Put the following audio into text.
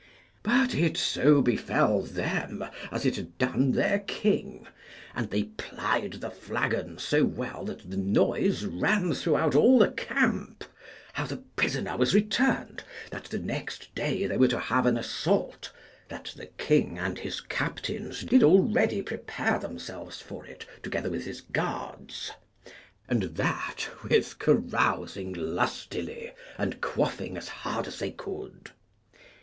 But it so befell them as it had done their king, and they plied the flagon so well that the noise ran throughout all the camp, how the prisoner was returned; that the next day they were to have an assault; that the king and his captains did already prepare themselves for it, together with his guards, and that with carousing lustily and quaffing as hard as they could.